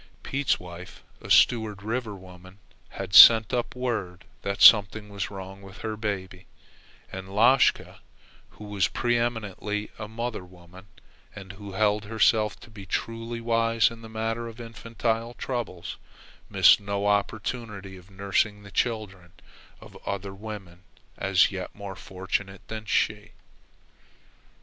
Pete's wife, a Stewart River woman, had sent up word that something was wrong with her baby, and Lashka, who was pre eminently a mother woman and who held herself to be truly wise in the matter of infantile troubles, missed no opportunity of nursing the children of other women as yet more fortunate than she.